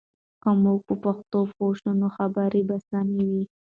که موږ په پښتو پوه شو، نو خبرې به سمې وي.